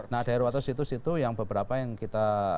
nah dari dua ratus situs itu yang beberapa yang kita